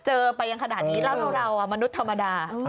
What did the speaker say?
เจอไปยังขนาดนี้แล้วเรามนุษย์ธรรมดา